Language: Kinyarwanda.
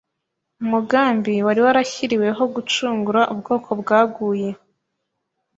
umugambi wari warashyiriweho gucungura ubwoko bwaguye